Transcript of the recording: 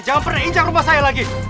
jangan pernah incang rumah saya lagi